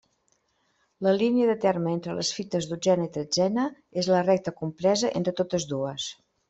La línia de terme entre les fites dotzena i tretzena és la recta compresa entre totes dues.